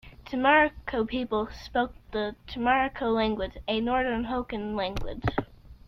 Chimariko people spoke the Chimariko language, a Northern Hokan language.